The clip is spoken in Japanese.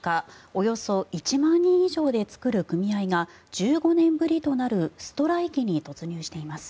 およそ１万人以上で作る組合が１５年ぶりとなるストライキに突入しています。